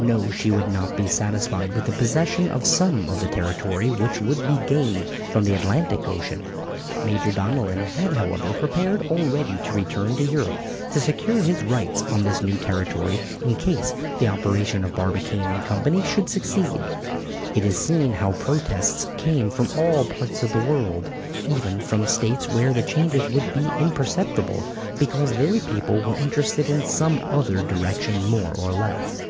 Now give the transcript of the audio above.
No, she would not be satisfied with the possession of some of the territory which would be gained from the Atlantic Ocean. Major Donellan had, however, prepared already to return to Europe to secure his rights on this new territory in case the operation of Barbicane & Co. should succeed. It is seen how protests came from all parts of the world, even from States where the changes would be imperceptible, because their people were interested in some other direction more or less.